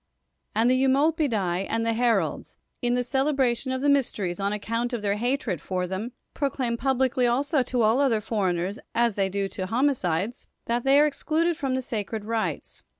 xVnd the Eumolpidffi and the Heralds, in the celebra tion of the mysteries, on account of their hatred for them, proclaim publicly also to all other for eigners, as they do to homicides, that they are excluded fro?n the sacred rites.